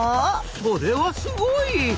それはすごい！